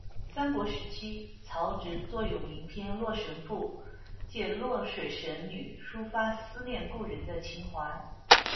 三国时期曹植作有名篇洛神赋借洛水神女抒发思念故人的情怀。